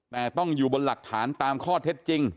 แต่ต้องอยู่บนหลักฐานตามข้อเท็จจริง